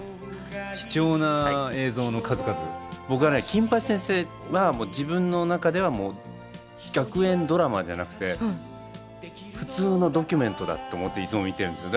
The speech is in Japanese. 僕はね「金八先生」は自分の中では学園ドラマじゃなくて普通のドキュメントだって思っていつも見てるんです。